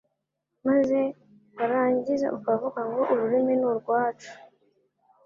maze warangiza ukavuga ngo ururimi nurwacu